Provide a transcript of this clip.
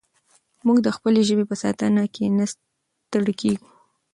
موږ د خپلې ژبې په ساتنه کې نه ستړي کېږو.